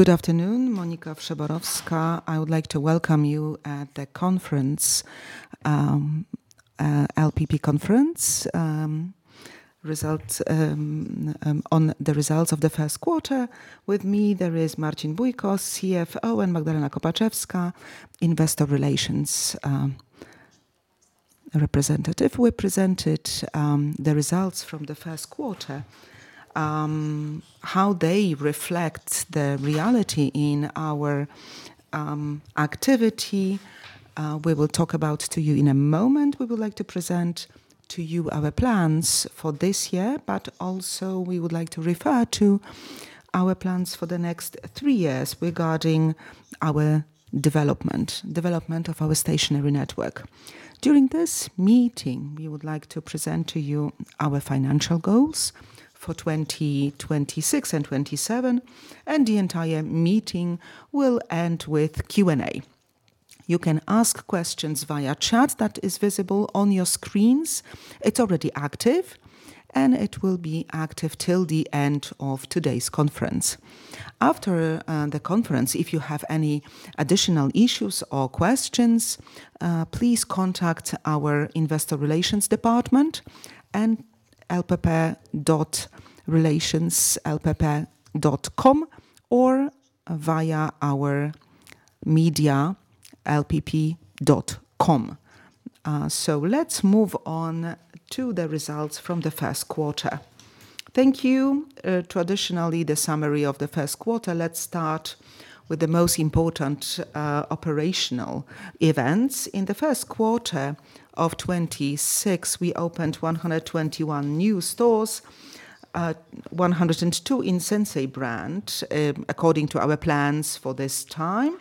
Good afternoon. Monika Wszeborowska. I would like to welcome you at the LPP conference on the results of the first quarter. With me there is Marcin Bójko, CFO, and Magdalena Kopaczewska, investor relations representative, who presented the results from the first quarter. How they reflect the reality in our activity, we will talk about to you in a moment. We would like to present to you our plans for this year, but also we would like to refer to our plans for the next three years regarding our development of our stationary network. During this meeting, we would like to present to you our financial goals for 2026 and 2027. The entire meeting will end with Q&A. You can ask questions via chat that is visible on your screens. It's already active, and it will be active till the end of today's conference. After the conference, if you have any additional issues or questions, please contact our investor relations department at lpp.relationslpp.com or via our medialpp.com. Let's move on to the results from the first quarter. Thank you. Traditionally, the summary of the first quarter, let's start with the most important operational events. In the first quarter of 2026, we opened 121 new stores, 102 in Sinsay brand, according to our plans for this time.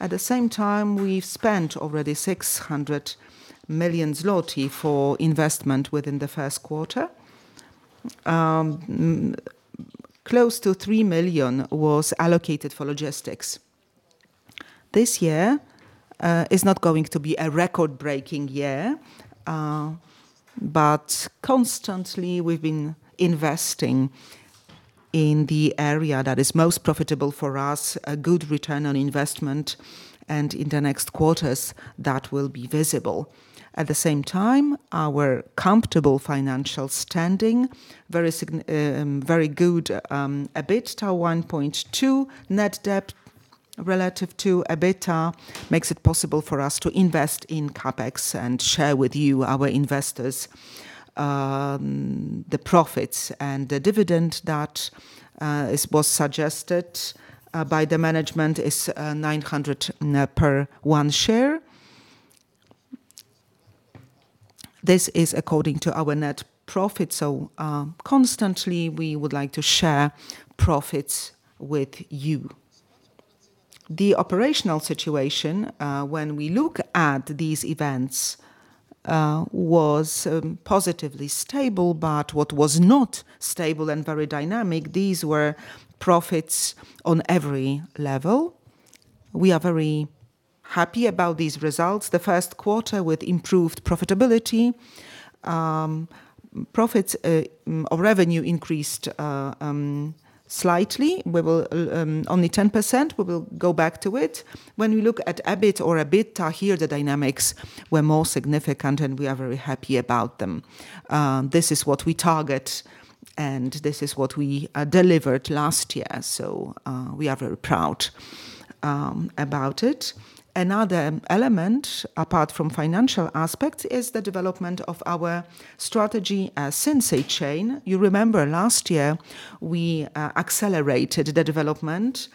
At the same time, we've spent already 600 million zloty for investment within the first quarter. Close to 3 million was allocated for logistics. This year is not going to be a record-breaking year, but constantly we've been investing in the area that is most profitable for us, a good return on investment, and in the next quarters, that will be visible. At the same time, our comfortable financial standing, very good EBITDA, 1.2 net debt relative to EBITDA, makes it possible for us to invest in CapEx and share with you, our investors, the profits and the dividend that was suggested by the management is 900 per one share. This is according to our net profit. Constantly we would like to share profits with you. The operational situation, when we look at these events, was positively stable, but what was not stable and very dynamic, these were profits on every level. We are very happy about these results. The first quarter with improved profitability. Profits of revenue increased slightly, only 10%. We will go back to it. When we look at EBIT or EBITDA, here the dynamics were more significant and we are very happy about them. This is what we target and this is what we delivered last year. We are very proud about it. Another element, apart from financial aspect, is the development of our strategy as Sinsay chain. You remember last year, we accelerated the development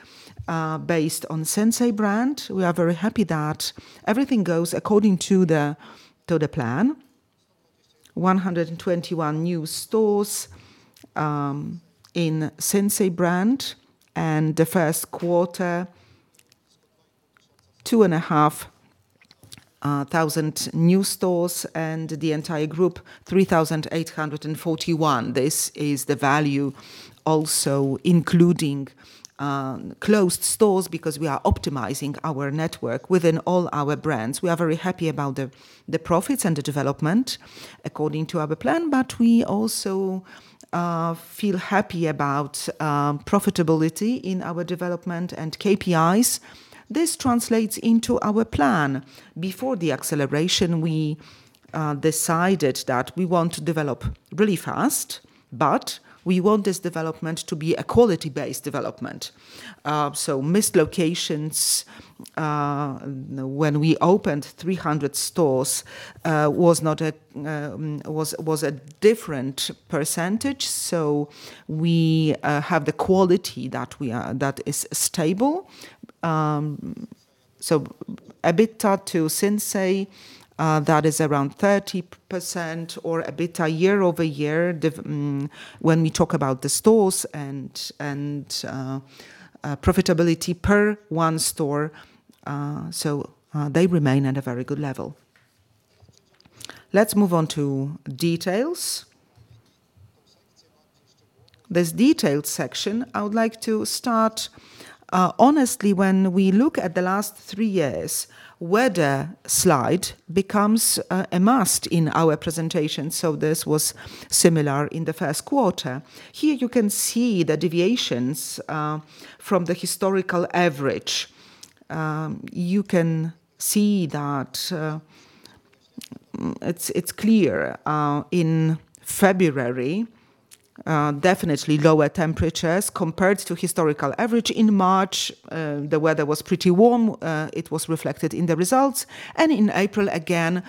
based on Sinsay brand. We are very happy that everything goes according to the plan. 121 new stores in Sinsay brand and the first quarter, 2,500 new stores and the entire group, 3,841. This is the value also including closed stores because we are optimizing our network within all our brands. We are very happy about the profits and the development according to our plan, but we also feel happy about profitability in our development and KPIs. This translates into our plan. Before the acceleration, we decided that we want to develop really fast, but we want this development to be a quality-based development. Missed locations when we opened 300 stores was a different percentage, so we have the quality that is stable. EBITDA to Sinsay, that is around 30% or EBITDA year-over-year when we talk about the stores and profitability per one store. They remain at a very good level. Let's move on to details. This detailed section, I would like to start. Honestly, when we look at the last three years, weather slide becomes a must in our presentation. This was similar in the first quarter. Here you can see the deviations from the historical average. You can see that it's clear in February, definitely lower temperatures compared to historical average. In March, the weather was pretty warm, it was reflected in the results. In April, again,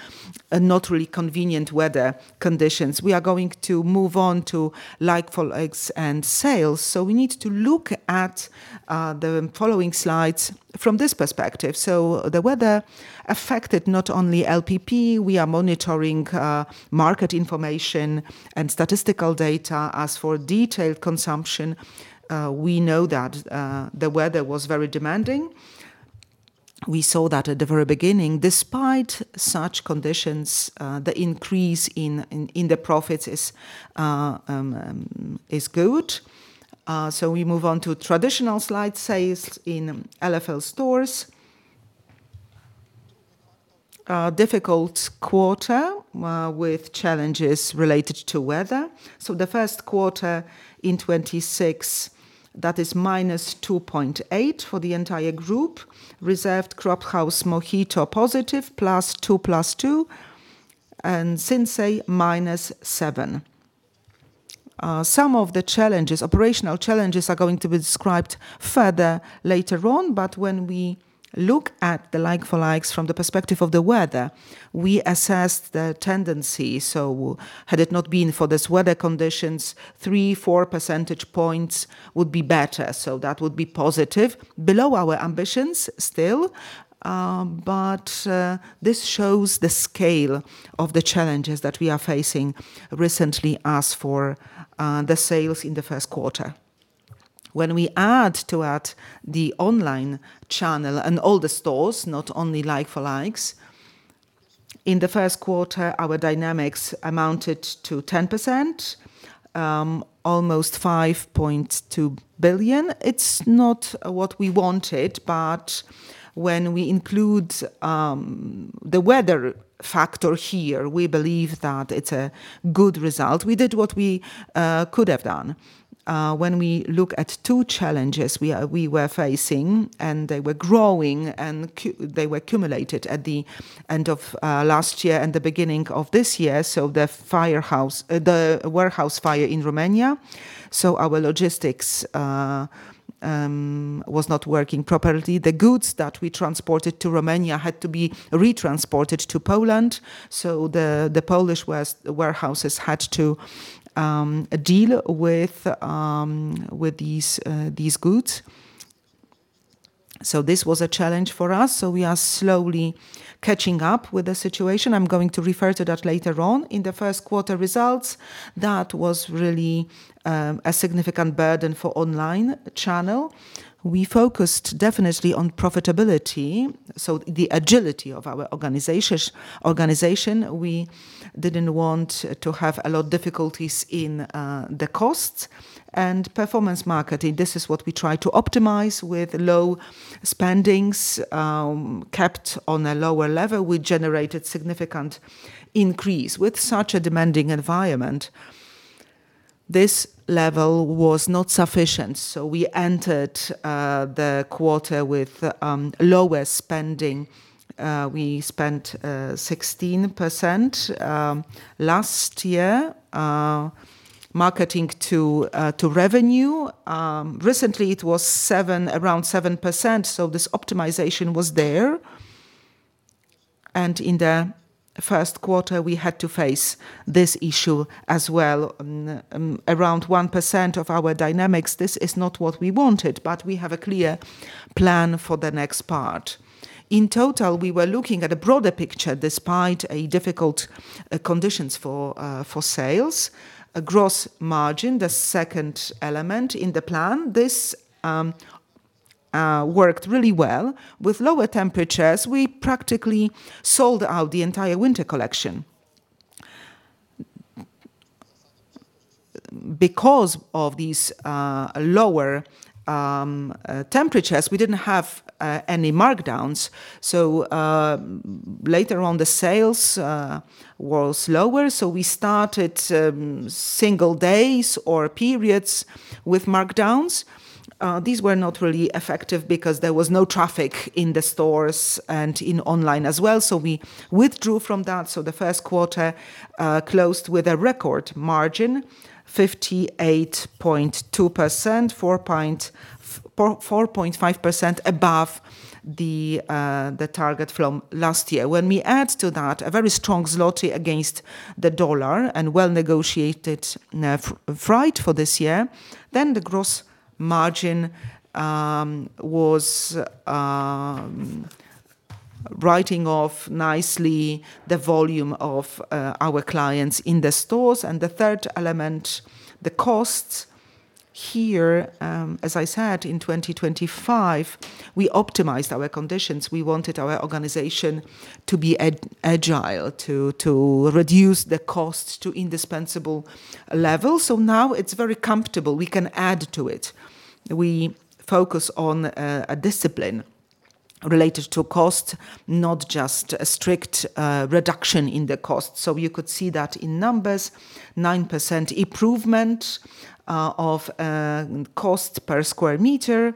not really convenient weather conditions. We are going to move on to like-for-like and sales. We need to look at the following slides from this perspective. The weather affected not only LPP. We are monitoring market information and statistical data. As for detailed consumption, we know that the weather was very demanding. We saw that at the very beginning. Despite such conditions, the increase in the profits is good. We move on to traditional slide sales in LFL stores. A difficult quarter with challenges related to weather. The first quarter in 2026, that is -2.8% for the entire group. Reserved, Cropp, House, Mohito positive, +2%, +2%, and Sinsay -7%. Some of the operational challenges are going to be described further later on, but when we look at the like-for-likes from the perspective of the weather, we assess the tendency. Had it not been for this weather conditions, three, four percentage points would be better, that would be positive. Below our ambitions still, but this shows the scale of the challenges that we are facing recently as for the sales in the first quarter. When we add to that the online channel and all the stores, not only like-for-likes, in the first quarter, our dynamics amounted to 10%, almost 5.2 billion. It's not what we wanted, but when we include the weather factor here, we believe that it's a good result. We did what we could have done. When we look at two challenges we were facing, and they were growing, and they were accumulated at the end of last year and the beginning of this year. The warehouse fire in Romania. Our logistics was not working properly. The goods that we transported to Romania had to be retransported to Poland, the Polish warehouses had to deal with these goods. This was a challenge for us. We are slowly catching up with the situation. I'm going to refer to that later on. In the first quarter results, that was really a significant burden for online channel. We focused definitely on profitability, the agility of our organization. We didn't want to have a lot of difficulties in the costs and performance marketing. This is what we try to optimize with low spendings kept on a lower level. We generated significant increase. With such a demanding environment, this level was not sufficient, we entered the quarter with lower spending. We spent 16% last year, marketing to revenue. Recently, it was around 7%, this optimization was there. In the first quarter, we had to face this issue as well. Around 1% of our dynamics. This is not what we wanted, but we have a clear plan for the next part. In total, we were looking at a broader picture despite difficult conditions for sales. A gross margin, the second element in the plan. This worked really well. With lower temperatures, we practically sold out the entire winter collection. Because of these lower temperatures, we did not have any markdowns, so later on, the sales was lower, so we started single days or periods with markdowns. These were not really effective because there was no traffic in the stores and in online as well, so we withdrew from that. The first quarter closed with a record margin, 58.2%, 4.5% above the target from last year. When we add to that a very strong PLN against the USD and well-negotiated freight for this year, the gross margin was writing off nicely the volume of our clients in the stores. The third element, the costs. Here, as I said, in 2025, we optimized our conditions. We wanted our organization to be agile, to reduce the costs to indispensable level. Now it is very comfortable. We can add to it. We focus on a discipline related to cost, not just a strict reduction in the cost. You could see that in numbers, 9% improvement of cost per square meter.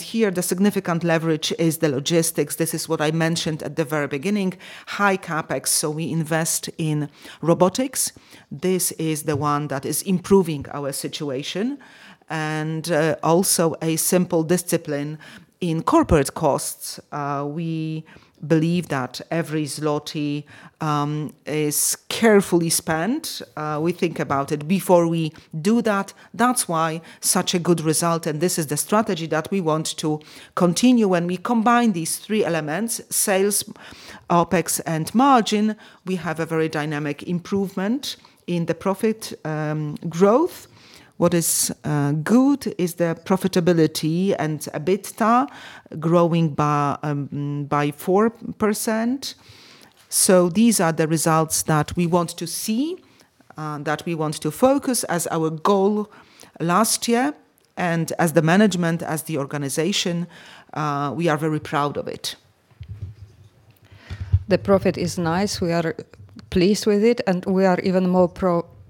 Here the significant leverage is the logistics. This is what I mentioned at the very beginning, high CapEx, so we invest in robotics. This is the one that is improving our situation, and also a simple discipline in corporate costs. We believe that every PLN is carefully spent. We think about it before we do that. That is why such a good result, and this is the strategy that we want to continue. When we combine these three elements, sales, OpEx, and margin, we have a very dynamic improvement in the profit growth. What is good is the profitability and EBITDA growing by 4%. These are the results that we want to see, that we want to focus as our goal last year and as the management, as the organization, we are very proud of it. The profit is nice. We are pleased with it, and we are even more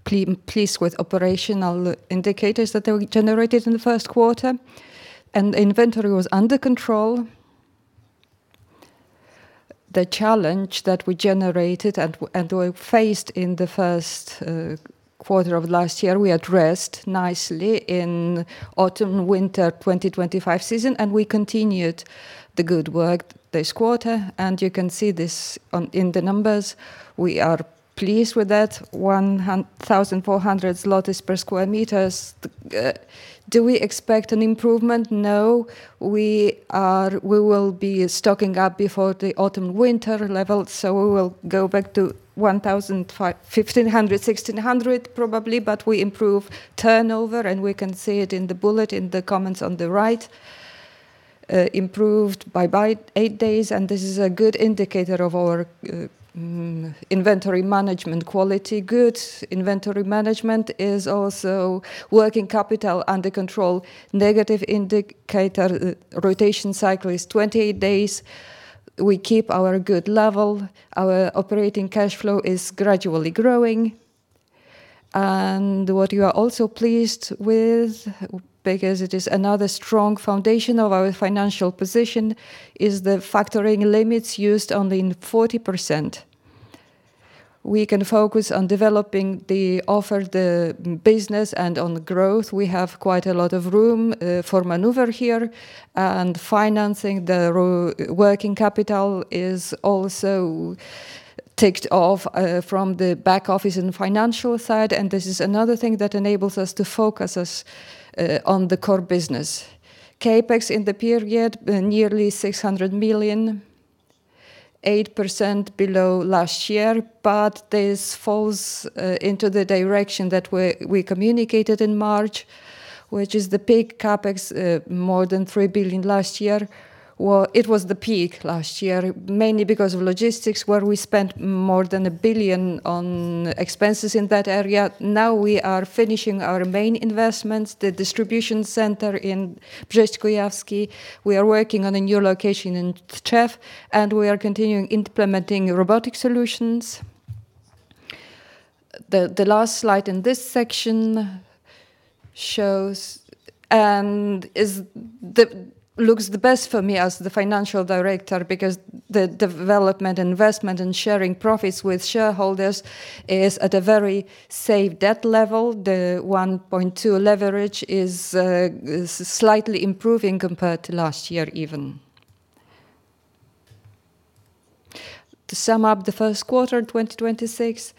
pleased with operational indicators that were generated in the first quarter, and inventory was under control. The challenge that we generated and we faced in the first quarter of last year, we addressed nicely in autumn-winter 2025 season, and we continued the good work this quarter. You can see this in the numbers. We are pleased with that. 1,400 per square meters. Do we expect an improvement? No. We will be stocking up before the autumn-winter level, so we will go back to 1,500, 1,600 probably, but we improve turnover and we can see it in the bullet in the comments on the right, improved by eight days and this is a good indicator of our inventory management quality. Good inventory management is also working capital under control. Negative indicator rotation cycle is 28 days. We keep our good level. Our operating cash flow is gradually growing. What you are also pleased with, because it is another strong foundation of our financial position, is the factoring limits used only in 40%. We can focus on developing the offer, the business, and on growth. We have quite a lot of room for maneuver here. Financing the working capital is also ticked off from the back office and financial side. This is another thing that enables us to focus us on the core business. CapEx in the period, nearly 600 million. 8% below last year, but this falls into the direction that we communicated in March, which is the peak CapEx, more than 3 billion last year. It was the peak last year, mainly because of logistics, where we spent more than 1 billion on expenses in that area. Now we are finishing our main investments, the distribution center in Brześć Kujawski. We are working on a new location in Tczew. We are continuing implementing robotic solutions. The last slide in this section shows, looks the best for me as the financial director because the development, investment, and sharing profits with shareholders is at a very safe debt level. The 1.2 leverage is slightly improving compared to last year even. To sum up the first quarter 2026,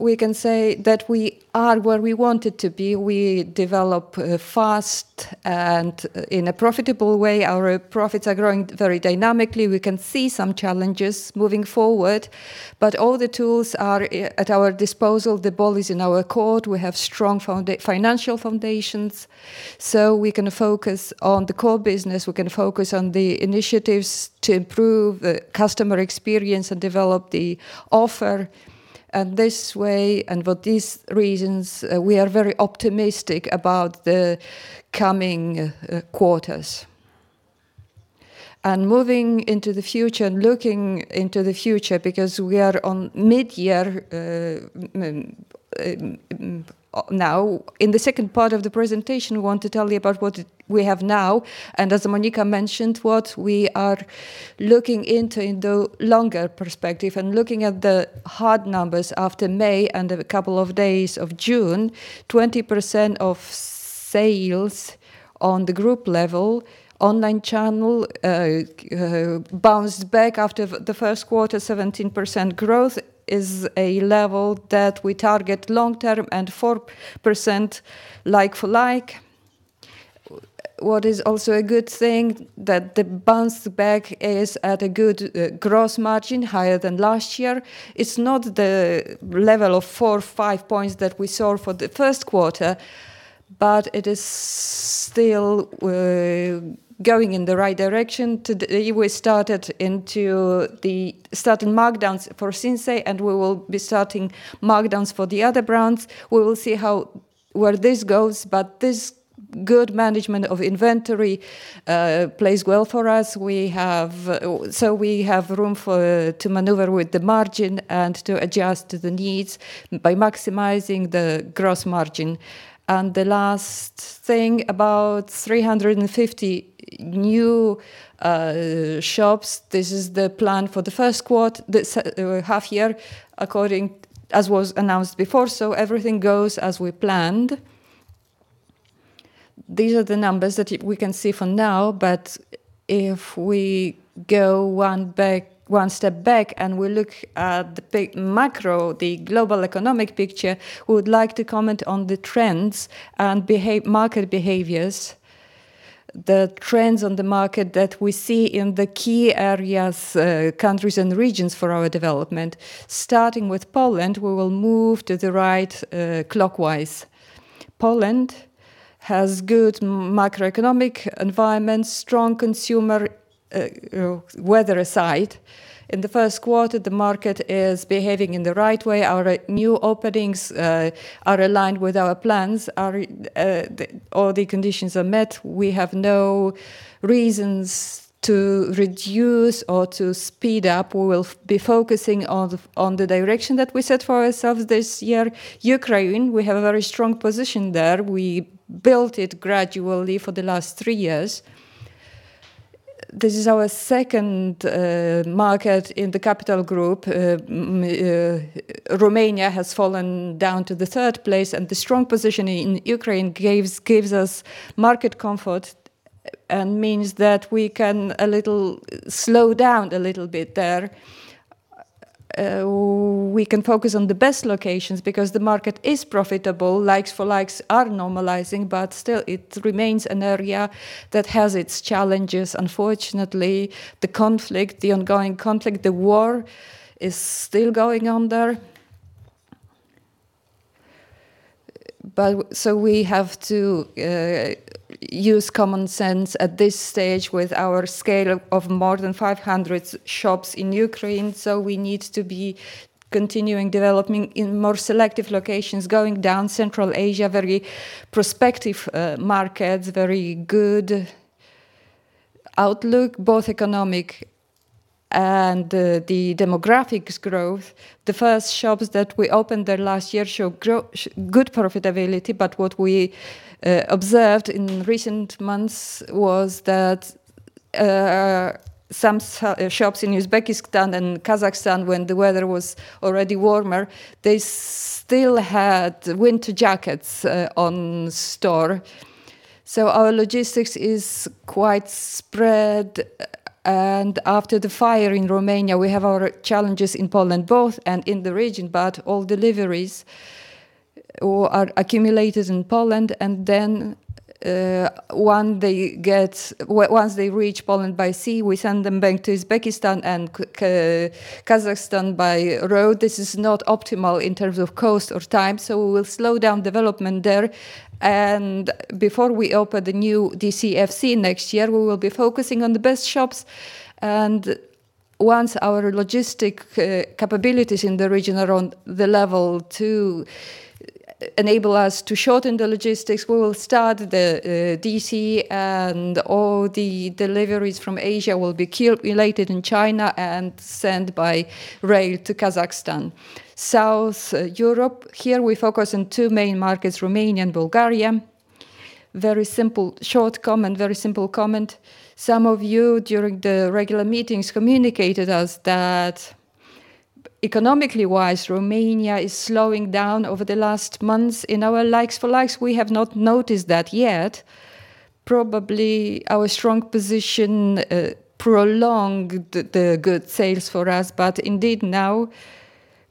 we can say that we are where we wanted to be. We develop fast and in a profitable way. Our profits are growing very dynamically. We can see some challenges moving forward. All the tools are at our disposal. The ball is in our court. We have strong financial foundations. We can focus on the core business. We can focus on the initiatives to improve the customer experience and develop the offer. This way, for these reasons, we are very optimistic about the coming quarters. Moving into the future and looking into the future, because we are on mid-year now. In the second part of the presentation, we want to tell you about what we have now, and as Monika mentioned, what we are looking into in the longer perspective. Looking at the hard numbers after May and a couple of days of June, 20% of sales on the group level. Online channel bounced back after the first quarter. 17% growth is a level that we target long-term and 4% like-for-like. What is also a good thing that the bounce back is at a good gross margin, higher than last year. It's not the level of 4, 5 points that we saw for the first quarter, but it is still going in the right direction. We started markdowns for Sinsay. We will be starting markdowns for the other brands. where this goes, but this good management of inventory plays well for us. We have room to maneuver with the margin and to adjust to the needs by maximizing the gross margin. The last thing, about 350 new shops. This is the plan for the first half-year, as was announced before. Everything goes as we planned. These are the numbers that we can see for now. If we go one step back and we look at the big macro, the global economic picture, we would like to comment on the trends and market behaviors, the trends on the market that we see in the key areas, countries, and regions for our development. Starting with Poland, we will move to the right, clockwise. Poland has good macroeconomic environment, strong consumer, weather aside. In the first quarter, the market is behaving in the right way. Our new openings are aligned with our plans. All the conditions are met. We have no reasons to reduce or to speed up. We will be focusing on the direction that we set for ourselves this year. Ukraine, we have a very strong position there. We built it gradually for the last three years. This is our second market in the capital group. Romania has fallen down to the third place. The strong position in Ukraine gives us market comfort and means that we can slow down a little bit there. We can focus on the best locations because the market is profitable, likes for likes are normalizing, but still it remains an area that has its challenges. Unfortunately, the ongoing conflict, the war, is still going on there. We have to use common sense at this stage with our scale of more than 500 shops in Ukraine. We need to be continuing developing in more selective locations. Going down, Central Asia, very prospective markets, very good outlook, both economic and the demographics growth. The first shops that we opened there last year show good profitability. What we observed in recent months was that some shops in Uzbekistan and Kazakhstan, when the weather was already warmer, they still had winter jackets on store. Our logistics is quite spread, and after the fire in Romania, we have our challenges in Poland both and in the region, but all deliveries are accumulated in Poland, and then once they reach Poland by sea, we send them back to Uzbekistan and Kazakhstan by road. This is not optimal in terms of cost or time, so we will slow down development there. Before we open the new DC/FC next year, we will be focusing on the best shops. Once our logistic capabilities in the region are on the level to enable us to shorten the logistics, we will start the DC and all the deliveries from Asia will be collated in China and sent by rail to Kazakhstan. South Europe. Here we focus on two main markets, Romania and Bulgaria. Very simple, short comment. Some of you during the regular meetings communicated us that economically-wise, Romania is slowing down over the last months. In our likes for likes, we have not noticed that yet. Probably our strong position prolonged the good sales for us. Indeed, now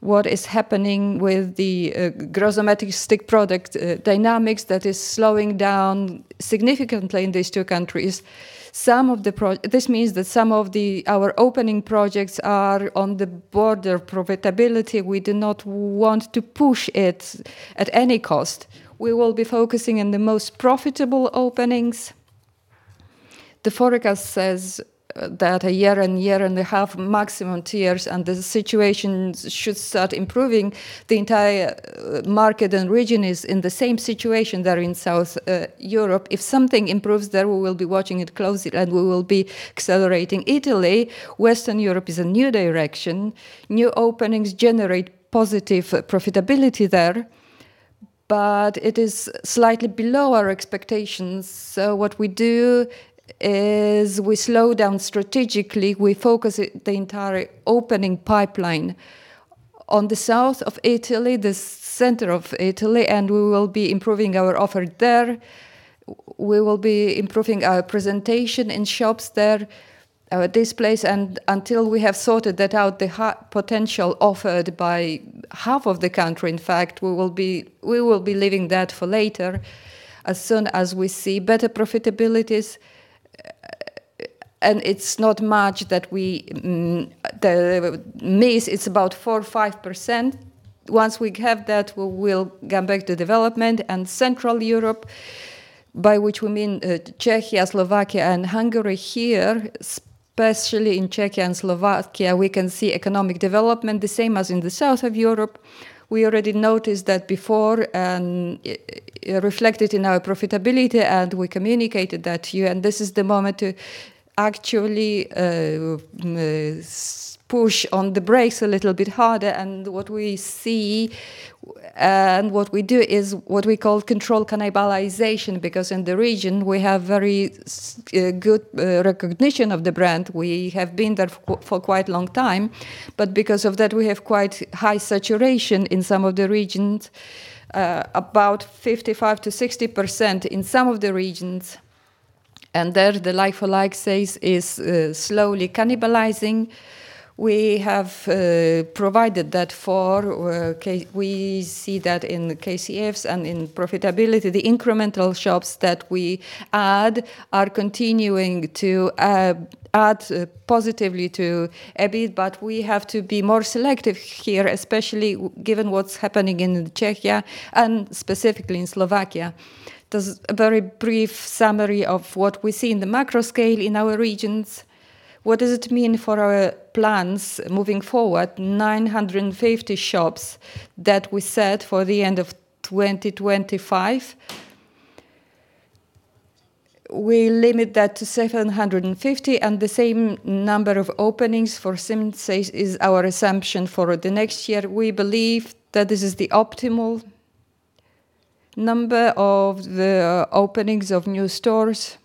what is happening with the gross domestic product dynamics that is slowing down significantly in these two countries. This means that some of our opening projects are on the border of profitability. We do not want to push it at any cost. We will be focusing on the most profitable openings. The forecast says that a year and a half, maximum two years, the situation should start improving. The entire market and region is in the same situation there in South Europe. If something improves there, we will be watching it closely and we will be accelerating. Italy, Western Europe is a new direction. New openings generate positive profitability there, but it is slightly below our expectations. What we do is we slow down strategically. We focus the entire opening pipeline on the south of Italy, the center of Italy, and we will be improving our offer there. We will be improving our presentation in shops there, our displays. And until we have sorted that out, the potential offered by half of the country, in fact, we will be leaving that for later. As soon as we see better profitabilities, it's not much that we miss, it's about 4%-5%. Once we have that, we will come back to development and Central Europe. By which we mean Czechia, Slovakia, and Hungary. Here, especially in Czechia and Slovakia, we can see economic development the same as in the south of Europe. We already noticed that before and it reflected in our profitability, and we communicated that to you, and this is the moment to actually push on the brakes a little bit harder. What we see and what we do is what we call controlled cannibalization, because in the region, we have very good recognition of the brand. We have been there for quite a long time. But because of that, we have quite high saturation in some of the regions, about 55%-60% in some of the regions. There, the like-for-like sales is slowly cannibalizing. We see that in KPIs and in profitability. The incremental shops that we add are continuing to add positively to EBIT, but we have to be more selective here, especially given what's happening in Czechia and specifically in Slovakia. That's a very brief summary of what we see in the macro scale in our regions. What does it mean for our plans moving forward? 950 shops that we set for the end of 2025. We limit that to 750, and the same number of openings for Sinsay is our assumption for the next year. We believe that this is the optimal number of the openings of new stores.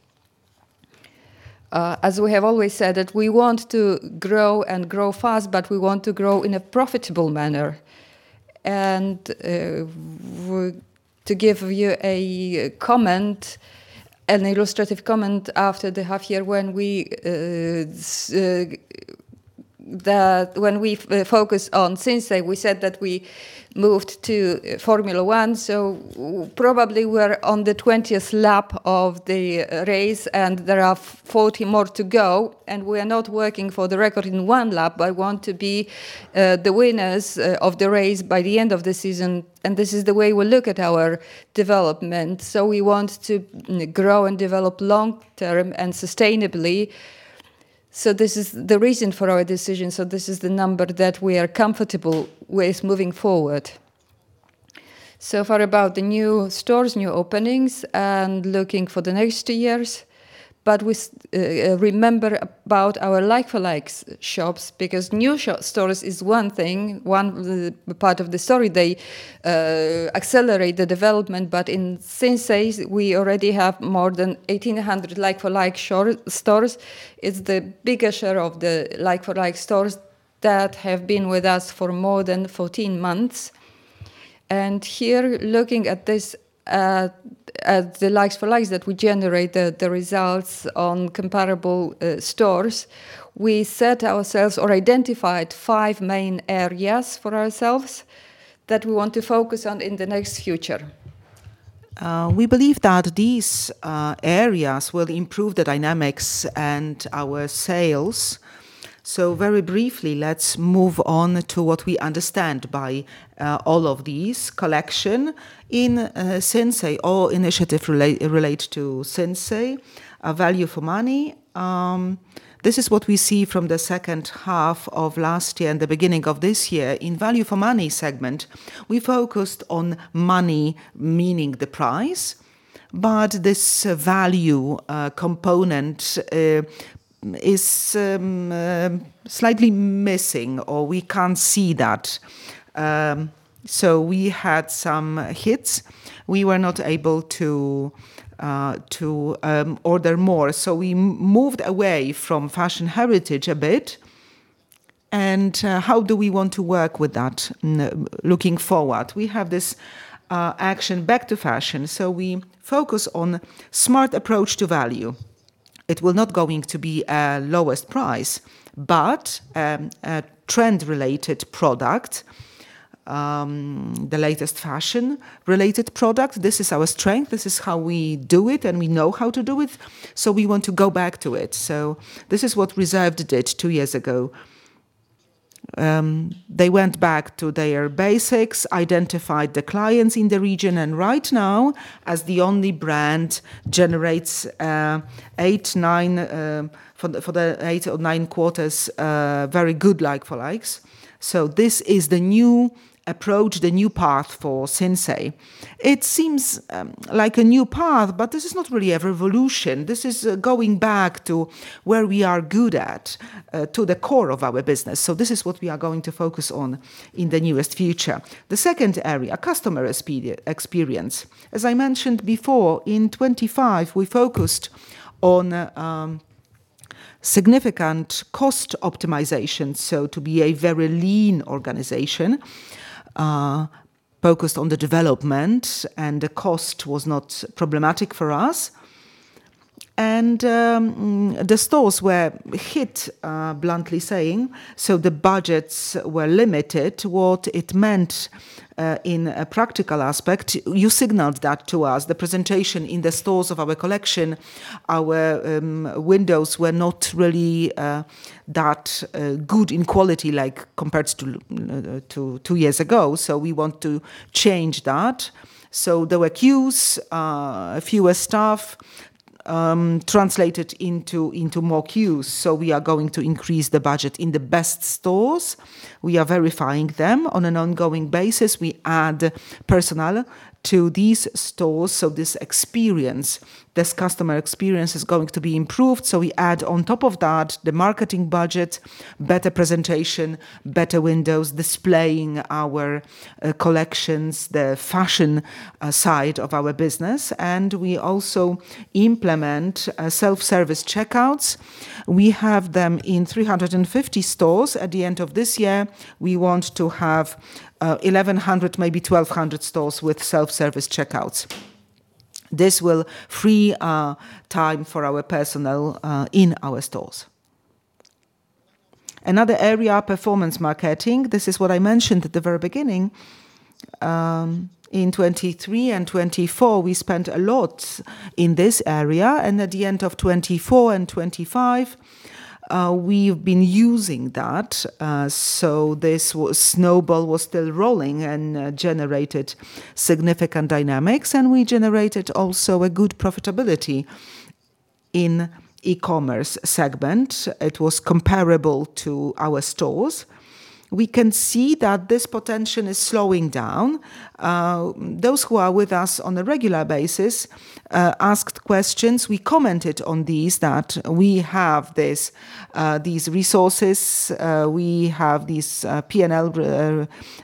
As we have always said, we want to grow and grow fast, but we want to grow in a profitable manner. To give you an illustrative comment, after the half year when we focused on Sinsay, we said that we moved to Formula 1, probably we're on the 20th lap of the race and there are 40 more to go, and we are not working for the record in one lap, but want to be the winners of the race by the end of the season. This is the way we look at our development. We want to grow and develop long-term and sustainably. This is the reason for our decision. This is the number that we are comfortable with moving forward. So far about the new stores, new openings, and looking for the next two years. Remember about our like-for-like shops, because new stores is one part of the story. They accelerate the development, but in Sinsay, we already have more than 1,800 like-for-like stores. It's the biggest share of the like-for-like stores that have been with us for more than 14 months. Here, looking at the like-for-likes that we generate, the results on comparable stores, we set ourselves or identified five main areas for ourselves that we want to focus on in the next future. We believe that these areas will improve the dynamics and our sales. Very briefly, let's move on to what we understand by all of these collection in Sinsay. All initiatives relate to Sinsay. Value for money. This is what we see from the second half of last year and the beginning of this year. In value-for-money segment, we focused on money, meaning the price. This value component is slightly missing, or we can't see that. We had some hits. We were not able to order more. We moved away from fashion heritage a bit. How do we want to work with that looking forward? We have this action, Back to Fashion. We focus on smart approach to value. It will not going to be a lowest price, but a trend-related product, the latest fashion-related product. This is our strength. This is how we do it, and we know how to do it, so we want to go back to it. This is what Reserved did two years ago. They went back to their basics, identified the clients in the region, and right now, as the only brand, generates, for the eight or nine quarters, very good like-for-likes. This is the new approach, the new path for Sinsay. It seems like a new path, but this is not really a revolution. This is going back to where we are good at, to the core of our business. This is what we are going to focus on in the nearest future. The second area, customer experience. As I mentioned before, in 2025, we focused on significant cost optimization, to be a very lean organization focused on the development and the cost was not problematic for us. The stores were hit, bluntly saying, the budgets were limited. What it meant in a practical aspect, you signaled that to us. The presentation in the stores of our collection, our windows were not really that good in quality compared to two years ago. We want to change that. There were queues, fewer staff translated into more queues. We are going to increase the budget in the best stores. We are verifying them on an ongoing basis. We add personnel to these stores, this customer experience is going to be improved. We add on top of that the marketing budget, better presentation, better windows, displaying our collections, the fashion side of our business, and we also implement self-service checkouts. We have them in 350 stores. At the end of this year, we want to have 1,100, maybe 1,200 stores with self-service checkouts. This will free time for our personnel in our stores. Another area, performance marketing. This is what I mentioned at the very beginning. In 2023 and 2024, we spent a lot in this area, and at the end of 2024 and 2025, we've been using that. This snowball was still rolling and generated significant dynamics, and we generated also a good profitability in e-commerce segment. It was comparable to our stores. We can see that this potential is slowing down. Those who are with us on a regular basis asked questions. We commented on these that we have these resources, we have these P&L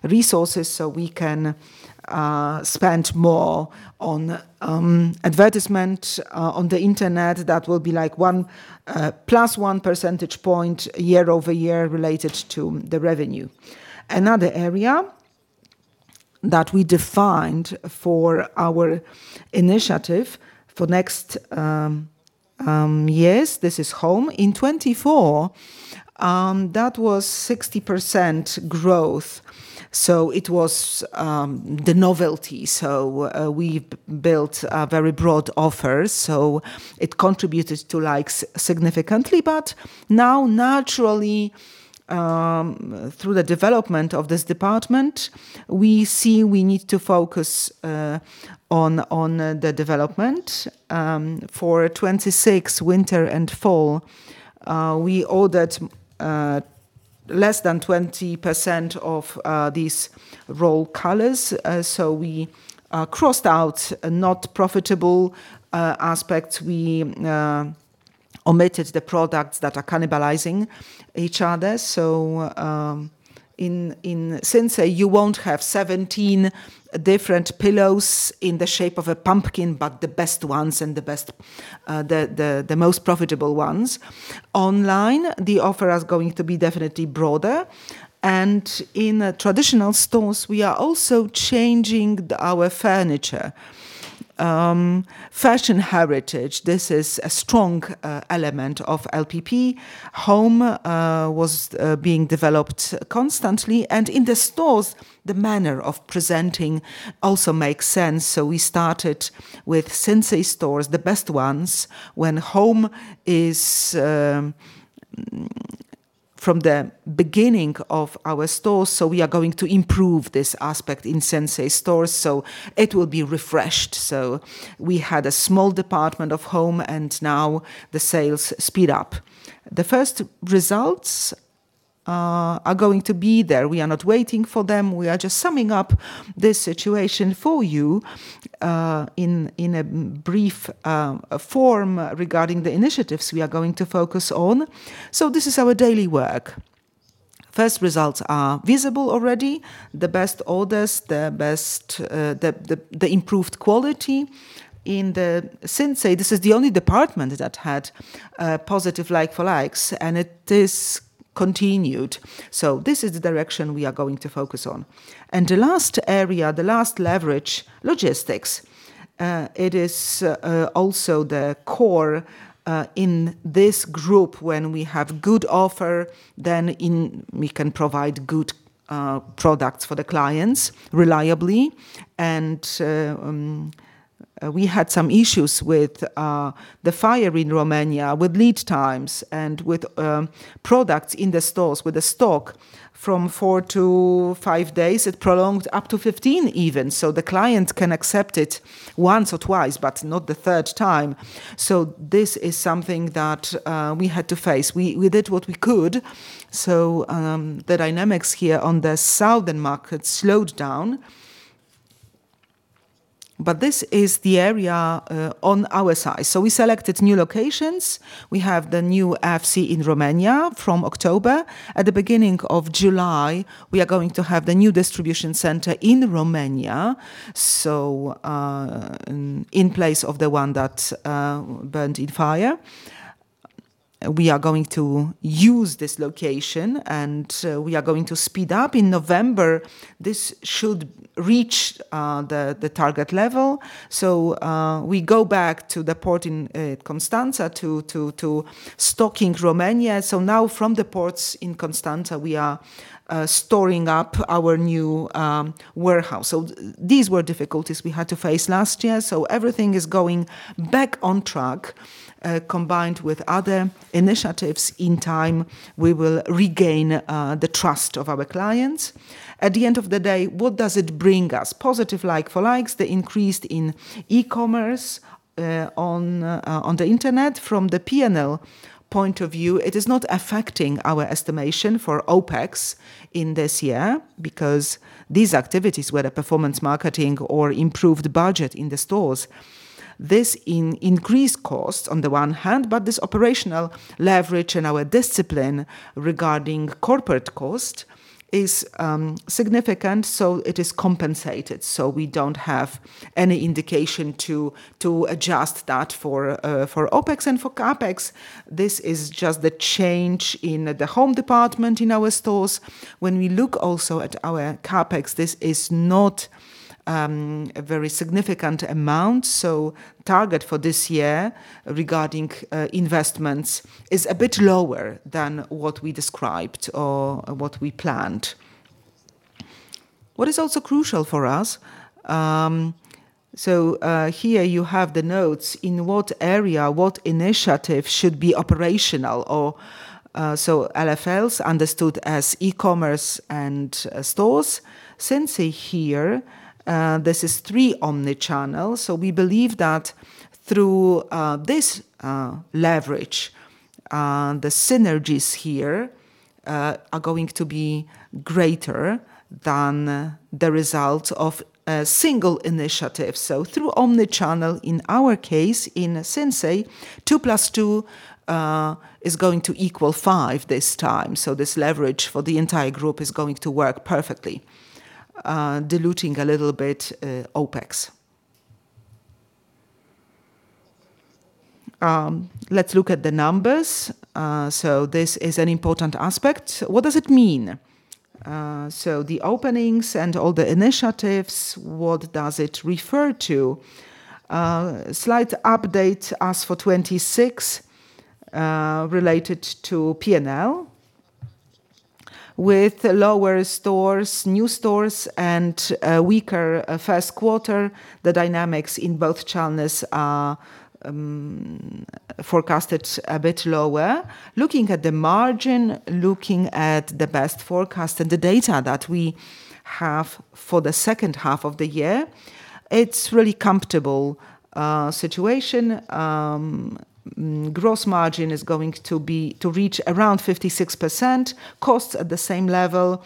resources, we can spend more on advertisement on the internet. That will be 1+1 percentage point year-over-year related to the revenue. Another area that we defined for our initiative for next years, this is home. In 2024, that was 60% growth. It was the novelty. We built a very broad offer. It contributed to likes significantly. Now naturally, through the development of this department, we see we need to focus on the development. For 2026 winter and fall, we ordered less than 20% of these raw colors. We crossed out not profitable aspects. We omitted the products that are cannibalizing each other. In Sinsay, you won't have 17 different pillows in the shape of a pumpkin, but the best ones and the most profitable ones. Online, the offer is going to be definitely broader. In traditional stores, we are also changing our furniture. Fashion heritage, this is a strong element of LPP. Home was being developed constantly and in the stores, the manner of presenting also makes sense. We started with Sinsay stores, the best ones. When home is from the beginning of our stores, we are going to improve this aspect in Sinsay stores, it will be refreshed. We had a small department of home, and now the sales speed up. The first results are going to be there. We are not waiting for them. We are just summing up this situation for you in a brief form regarding the initiatives we are going to focus on. This is our daily work. First results are visible already. The best orders, the improved quality. In Sinsay, this is the only department that had a positive like-for-like, and it is continued. This is the direction we are going to focus on. The last area, the last leverage, logistics. It is also the core in this group. When we have good offer, we can provide good products for the clients reliably. We had some issues with the fire in Romania with lead times and with products in the stores with the stock from four to five days, it prolonged up to 15 even. The client can accept it once or twice, but not the third time. This is something that we had to face. We did what we could. The dynamics here on the southern market slowed down. This is the area on our side. We selected new locations. We have the new FC in Romania from October. At the beginning of July, we are going to have the new distribution center in Romania. In place of the one that burned in fire. We are going to use this location, and we are going to speed up. In November, this should reach the target level. We go back to the port in Constanța to stocking Romania. Now from the ports in Constanța, we are storing up our new warehouse. These were difficulties we had to face last year. Everything is going back on track. Combined with other initiatives, in time, we will regain the trust of our clients. At the end of the day, what does it bring us? Positive like-for-like, the increase in e-commerce on the internet. From the P&L point of view, it is not affecting our estimation for OpEx in this year, because these activities, whether performance marketing or improved budget in the stores, this increased costs on the one hand, but this operational leverage and our discipline regarding corporate cost is significant, so it is compensated. We don't have any indication to adjust that for OpEx and for CapEx. This is just the change in the home department in our stores. When we look also at our CapEx, this is not a very significant amount. Target for this year regarding investments is a bit lower than what we described or what we planned. What is also crucial for us, here you have the notes in what area, what initiative should be operational. LFLs understood as e-commerce and stores. Sinsay here, this is 3 omnichannel. We believe that through this leverage, the synergies here are going to be greater than the result of a single initiative. Through omnichannel, in our case, in Sinsay, two plus two is going to equal five this time. This leverage for the entire group is going to work perfectly, diluting a little bit OpEx. Let's look at the numbers. This is an important aspect. What does it mean? The openings and all the initiatives, what does it refer to? Slight update as for 2026, related to P&L. With lower stores, new stores, and a weaker first quarter, the dynamics in both channels are forecasted a bit lower. Looking at the margin, looking at the best forecast and the data that we have for the second half of the year, it's really comfortable situation. Gross margin is going to reach around 56%, costs at the same level.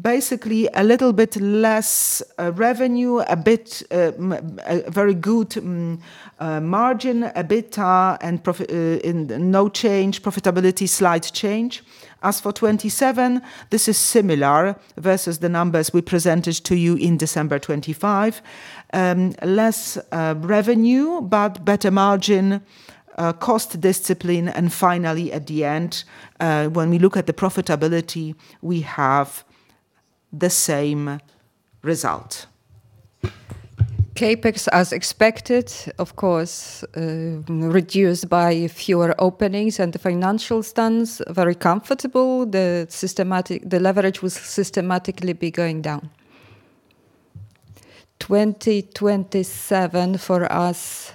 Basically a little bit less revenue, a very good margin, EBITDA and no change, profitability, slight change. As for 2027, this is similar versus the numbers we presented to you in December 2025. Less revenue, but better margin, cost discipline, and finally at the end, when we look at the profitability, we have the same result. CapEx as expected, of course, reduced by fewer openings and the financial stance very comfortable. The leverage will systematically be going down. 2027 for us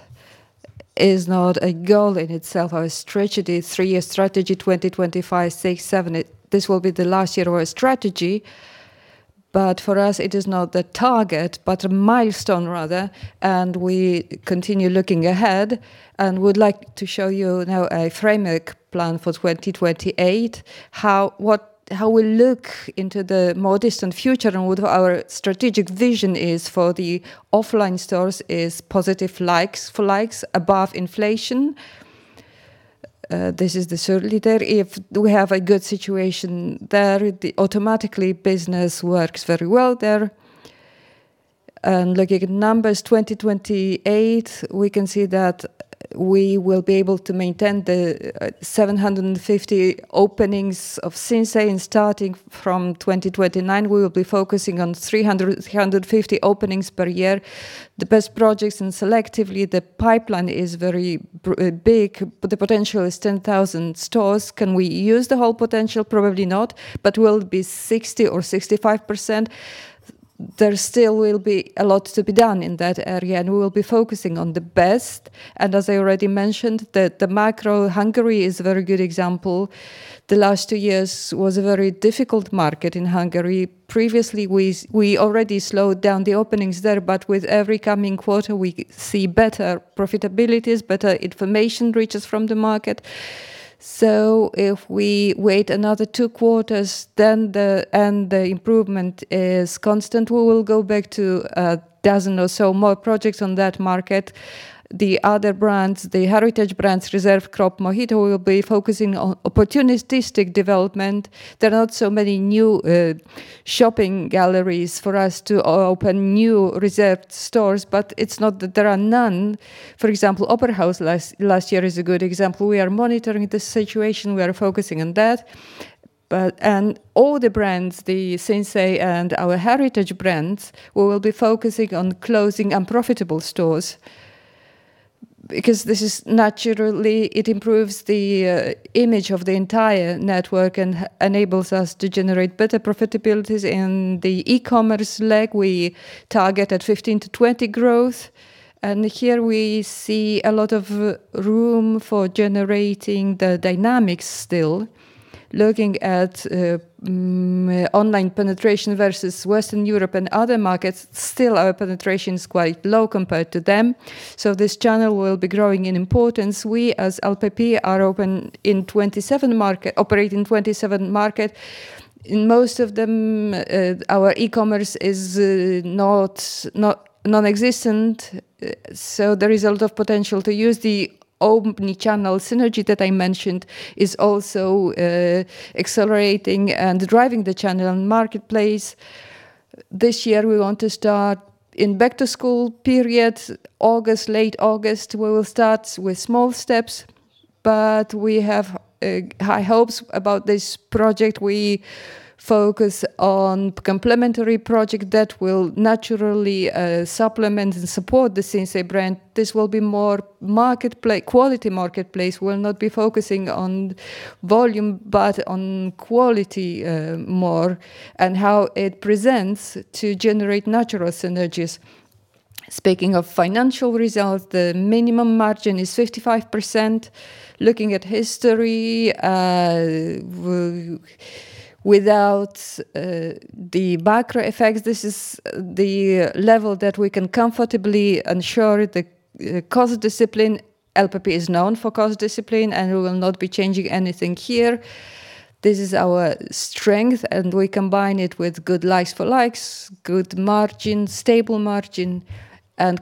is not a goal in itself. Our strategy is three-year strategy, 2025, 2026, 2027. This will be the last year of our strategy, but for us it is not the target, but a milestone rather, and we continue looking ahead and would like to show you now a framework plan for 2028, how we look into the more distant future and what our strategic vision is for the offline stores is positive like-for-like above inflation. This is certainly there. If we have a good situation there, automatically business works very well there. Looking at numbers 2028, we can see that we will be able to maintain the 750 openings of Sinsay. Starting from 2029, we will be focusing on 350 openings per year. The best projects and selectively the pipeline is very big. The potential is 10,000 stores. Can we use the whole potential? Probably not, but will be 60% or 65%. There still will be a lot to be done in that area, we will be focusing on the best. As I already mentioned, the macro Hungary is a very good example. The last two years was a very difficult market in Hungary. Previously, we already slowed down the openings there, but with every coming quarter, we see better profitabilities, better information reaches from the market. If we wait another two quarters and the improvement is constant, we will go back to a dozen or so more projects on that market. The other brands, the heritage brands, Reserved, Cropp, Mohito, will be focusing on opportunistic development. There are not so many new shopping galleries for us to open new Reserved stores, but it is not that there are none. For example, Opera House last year is a good example. We are monitoring the situation. We are focusing on that. All the brands, the Sinsay and our heritage brands, we will be focusing on closing unprofitable stores because naturally it improves the image of the entire network and enables us to generate better profitabilities. In the e-commerce leg, we target at 15%-20% growth. Here we see a lot of room for generating the dynamics still. Looking at online penetration versus Western Europe and other markets, still our penetration is quite low compared to them. This channel will be growing in importance. We, as LPP, operate in 27 markets. In most of them, our e-commerce is nonexistent, so there is a lot of potential to use the omnichannel synergy that I mentioned is also accelerating and driving the channel and marketplace. This year, we want to start in back-to-school period, late August. We will start with small steps, but we have high hopes about this project. We focus on complementary project that will naturally supplement and support the Sinsay brand. This will be more quality marketplace. We will not be focusing on volume, but on quality more, and how it presents to generate natural synergies. Speaking of financial results, the minimum margin is 55%. Looking at history, without the macro effects, this is the level that we can comfortably ensure the cost discipline. LPP is known for cost discipline, we will not be changing anything here. This is our strength, we combine it with good like-for-like, good margin, stable margin,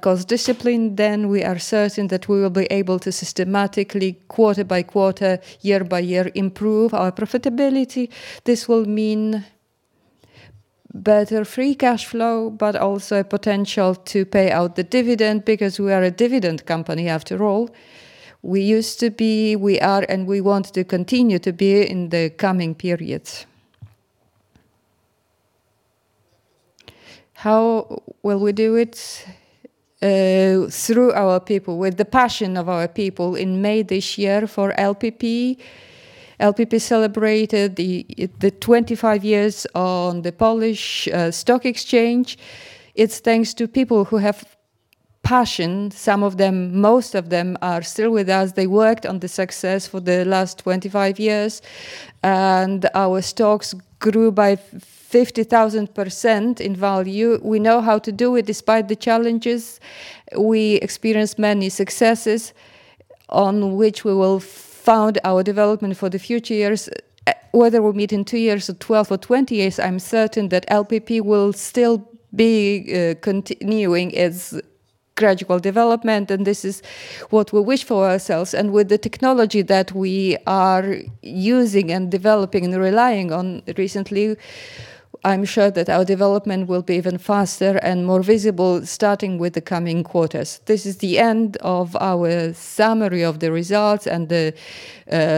cost discipline. We are certain that we will be able to systematically, quarter by quarter, year by year, improve our profitability. This will mean better free cash flow, but also a potential to pay out the dividend, because we are a dividend company after all. We used to be, we are, we want to continue to be in the coming periods. How will we do it? Through our people, with the passion of our people. In May this year, for LPP celebrated the 25 years on the Warsaw Stock Exchange. It's thanks to people who have passion. Some of them, most of them are still with us. They worked on the success for the last 25 years, and our stocks grew by 50,000% in value. We know how to do it despite the challenges. We experienced many successes on which we will found our development for the future years. Whether we'll meet in two years or 12 or 20 years, I'm certain that LPP will still be continuing its gradual development, and this is what we wish for ourselves. With the technology that we are using and developing and relying on recently, I'm sure that our development will be even faster and more visible, starting with the coming quarters. This is the end of our summary of the results and the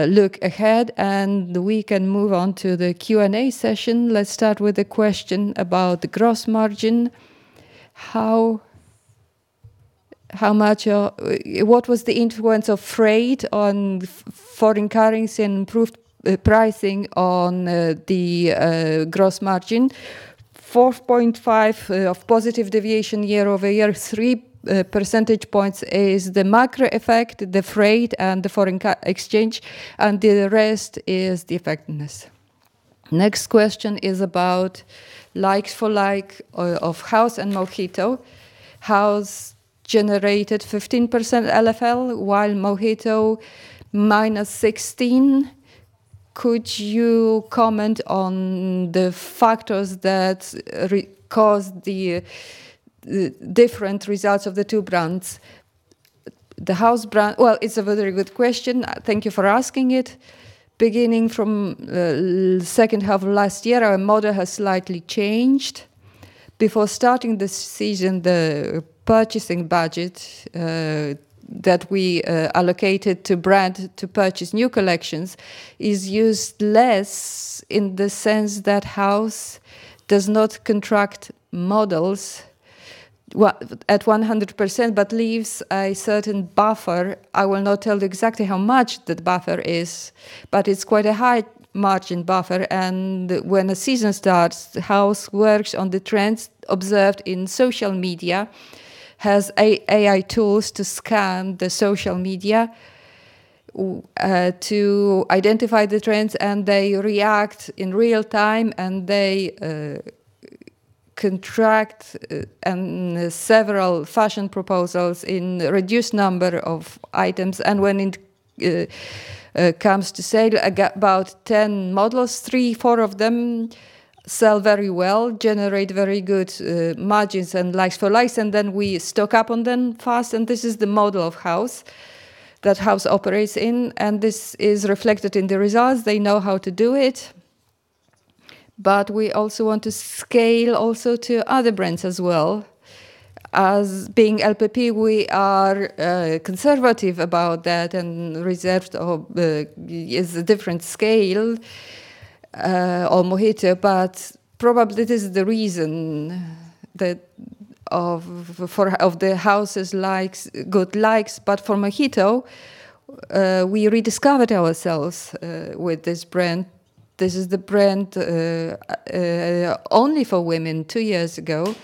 look ahead, and we can move on to the Q&A session. Let's start with a question about the gross margin. What was the influence of freight on foreign currency and improved pricing on the gross margin? 4.5 of positive deviation year-over-year. Three percentage points is the macro effect, the freight and the foreign exchange, and the rest is the effectiveness. Next question is about like-for-like of House and Mohito. House generated 15% LFL, while Mohito minus 16%. Could you comment on the factors that caused the different results of the two brands? It's a very good question. Thank you for asking it. Beginning from second half of last year, our model has slightly changed. Before starting this season, the purchasing budget that we allocated to brand to purchase new collections is used less in the sense that House does not contract models at 100%, but leaves a certain buffer. I will not tell exactly how much that buffer is, but it's quite a high-margin buffer. When a season starts, House works on the trends observed in social media, has AI tools to scan the social media to identify the trends, and they react in real-time, and they contract on several fashion proposals in reduced number of items. When it comes to sale, about 10 models, three, four of them sell very well, generate very good margins and like-for-likes, and then we stock up on them fast, and this is the model that House operates in, and this is reflected in the results. They know how to do it. We also want to scale also to other brands as well. As being LPP, we are conservative about that and reserved of the different scale of Mohito, but probably this is the reason that of the House's good like-for-likes. For Mohito, we rediscovered ourselves with this brand. This is the brand only for women two years ago.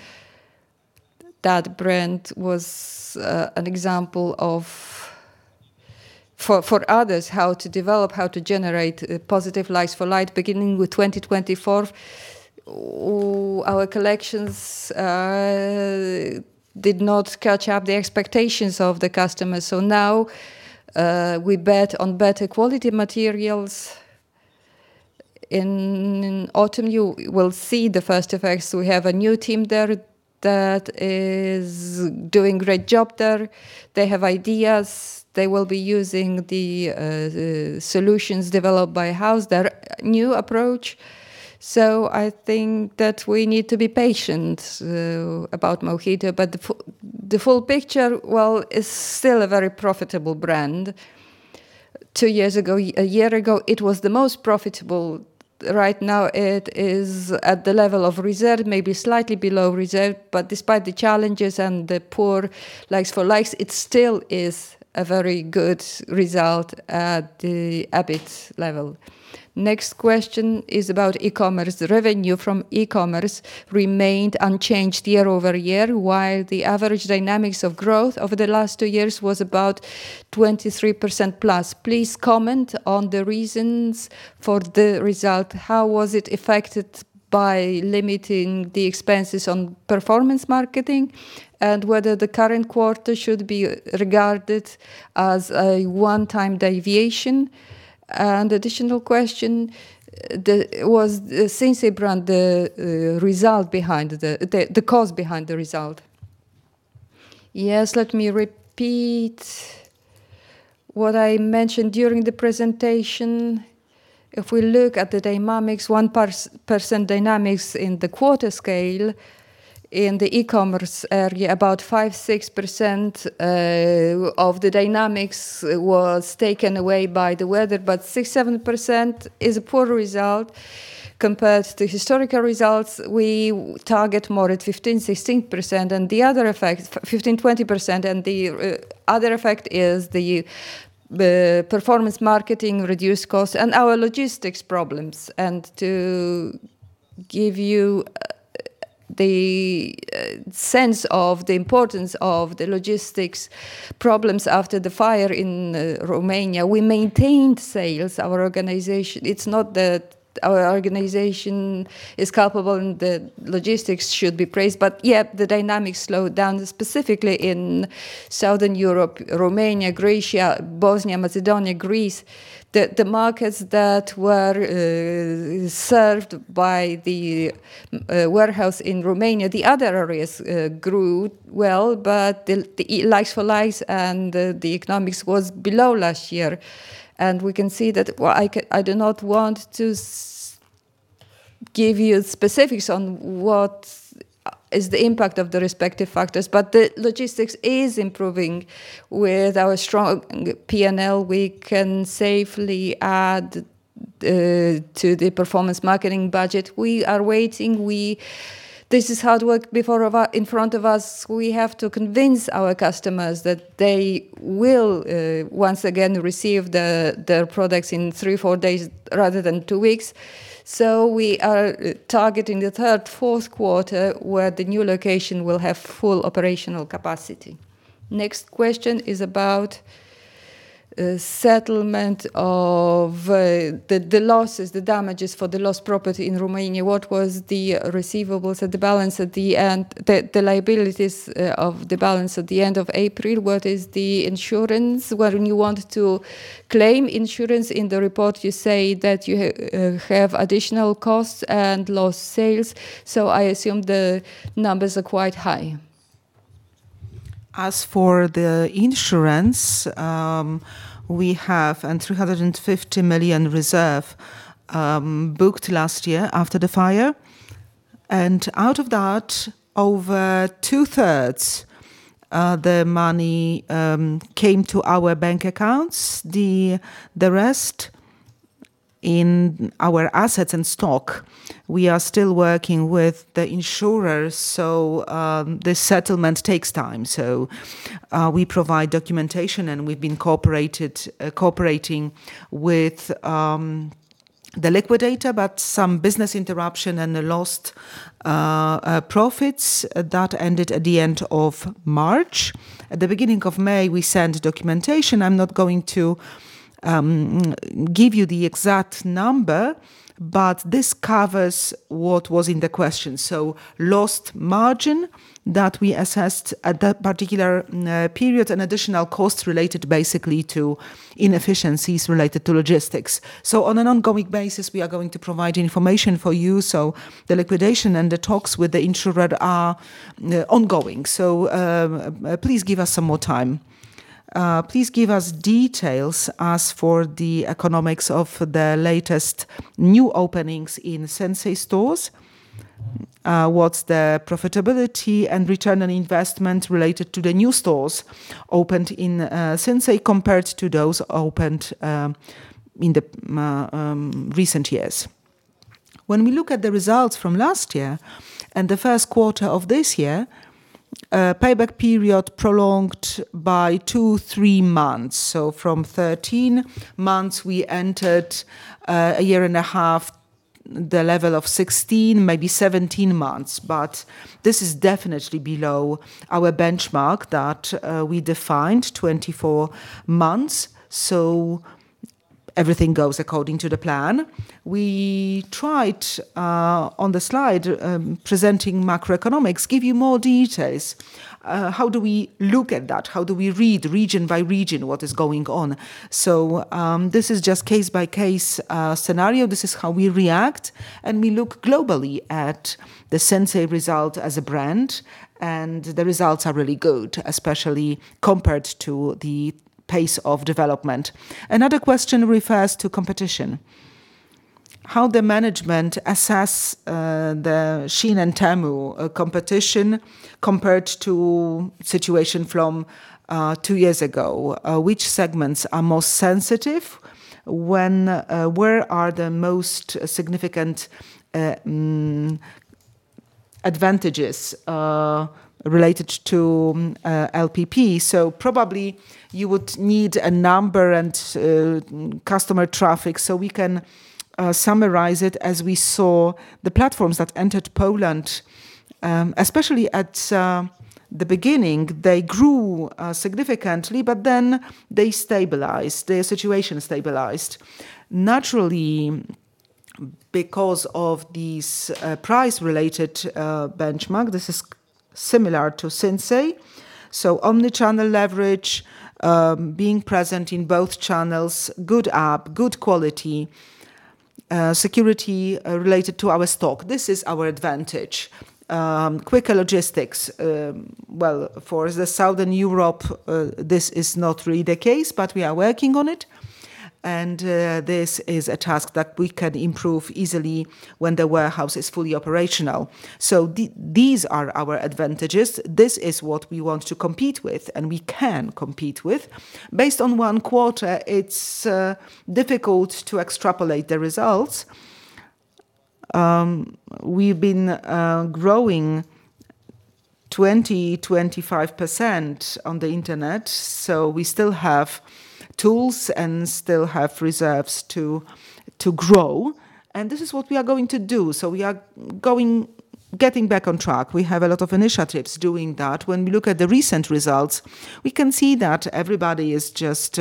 That brand was an example for others how to develop, how to generate positive like-for-like. Beginning with 2024, our collections did not catch up the expectations of the customers. Now, we bet on better quality materials. In autumn, you will see the first effects. We have a new team there that is doing a great job there. They have ideas. They will be using the solutions developed by House, their new approach. I think that we need to be patient about Mohito. The full picture, it's still a very profitable brand. Two years ago, a year ago, it was the most profitable. Right now, it is at the level of Reserved, maybe slightly below Reserved, but despite the challenges and the poor like-for-like, it still is a very good result at the EBIT level. Next question is about e-commerce. Revenue from e-commerce remained unchanged year-over-year, while the average dynamics of growth over the last two years was about 23% plus. Please comment on the reasons for the result. How was it affected by limiting the expenses on performance marketing? Whether the current quarter should be regarded as a one-time deviation? Additional question, was Sinsay brand the cause behind the result? Yes, let me repeat what I mentioned during the presentation. If we look at the dynamics, 1% dynamics in the quarter scale in the e-commerce area, about 5%, 6% of the dynamics was taken away by the weather. 6%, 7% is a poor result compared to historical results. We target more at 15%-20%, and the other effect is the performance marketing reduced cost and our logistics problems. To give you the sense of the importance of the logistics problems after the fire in Romania, we maintained sales. It's not that our organization is capable and the logistics should be praised, but yet the dynamics slowed down, specifically in Southern Europe, Romania, Greece, Bosnia, Macedonia, Greece. The markets that were served by the warehouse in Romania. The other areas grew well, but the like-for-like and the economics was below last year. We can see that, well, I do not want to give you specifics on what is the impact of the respective factors, but the logistics is improving. With our strong P&L, we can safely add to the performance marketing budget. We are waiting. This is hard work in front of us. We have to convince our customers that they will once again receive their products in three, four days rather than two weeks. We are targeting the third, fourth quarter, where the new location will have full operational capacity. Next question is about settlement of the losses, the damages for the lost property in Romania. What was the receivables at the balance at the end, the liabilities of the balance at the end of April? What is the insurance when you want to claim insurance? In the report, you say that you have additional costs and lost sales. I assume the numbers are quite high. As for the insurance, we have a 350 million reserve, booked last year after the fire. Out of that, over 2/3 of the money came to our bank accounts. The rest in our assets and stock. We are still working with the insurers, this settlement takes time. We provide documentation, we've been cooperating with the liquidator, but some business interruption and the lost profits, that ended at the end of March. At the beginning of May, we sent documentation. I am not going to give you the exact number, but this covers what was in the question. Lost margin that we assessed at that particular period and additional costs related basically to inefficiencies related to logistics. On an ongoing basis, we are going to provide information for you so the liquidation and the talks with the insurer are ongoing. Please give us some more time. Please give us details as for the economics of the latest new openings in Sinsay stores. What is the profitability and return on investment related to the new stores opened in Sinsay compared to those opened in the recent years? When we look at the results from last year and the first quarter of this year, payback period prolonged by two, three months. From 13 months, we entered a year and a half, the level of 16, maybe 17 months, but this is definitely below our benchmark that we defined 24 months. Everything goes according to the plan. We tried on the slide, presenting macroeconomics, give you more details. How do we look at that? How do we read region by region what is going on? This is just case-by-case scenario. This is how we react, we look globally at the Sinsay result as a brand, and the results are really good, especially compared to the pace of development. Another question refers to competition. How the management assess the SHEIN and Temu competition compared to situation from two years ago. Which segments are most sensitive? Where are the most significant advantages related to LPP? Probably you would need a number and customer traffic so we can summarize it. As we saw, the platforms that entered Poland, especially at the beginning, they grew significantly, but then they stabilized. Their situation stabilized. Naturally, because of this price-related benchmark, this is similar to Sinsay, omnichannel leverage, being present in both channels, good app, good quality, security related to our stock. This is our advantage. Quicker logistics. Well, for the Southern Europe, this is not really the case, but we are working on it. This is a task that we can improve easily when the warehouse is fully operational. These are our advantages. This is what we want to compete with and we can compete with. Based on one quarter, it is difficult to extrapolate the results. We have been growing 20%, 25% on the internet, we still have tools and still have reserves to grow, and this is what we are going to do. We are getting back on track. We have a lot of initiatives doing that. When we look at the recent results, we can see that everybody is just